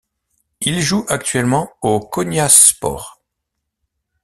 Il joue actuellement au Konyaspor.